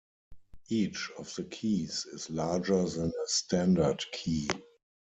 Each of the keys is larger than a standard key.